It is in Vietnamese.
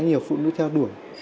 nhiều phụ nữ theo đuổi